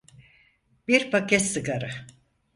Bir paket sigara.